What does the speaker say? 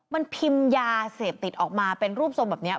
มันพิมพ์ยาเสพติดออกมาเป็นรูปทรงแบบนี้